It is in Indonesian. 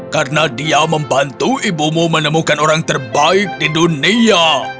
karena dia membantu ibumu menemukan orang terbaik di dunia